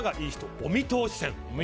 お見通し線。